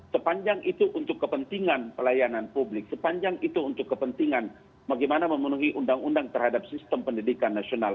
sepanjang itu untuk kepentingan pelayanan publik sepanjang itu untuk kepentingan bagaimana memenuhi undang undang terhadap sistem pendidikan nasional